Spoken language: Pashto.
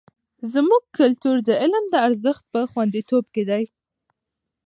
زموږ کلتور د علم د ارزښت په خوندیتوب کې دی.